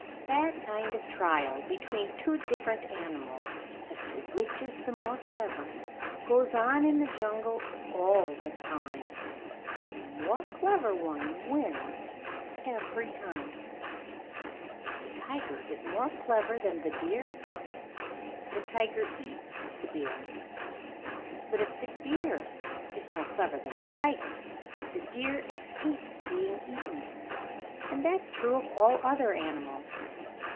That kind of trial between two different animals as to which is the more clever, goes on in the jungle all the time: and the more clever one wins every time. If the tiger is more clever than the deer, the tiger eats the deer; but if the deer is more clever than the tiger, the deer escapes being eaten. And that is true of all other animals.